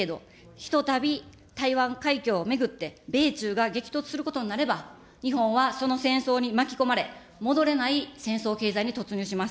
ひとたび台湾海峡を巡って米中が激突することになれば、日本はその戦争に巻き込まれ、戻れない戦争経済に突入します。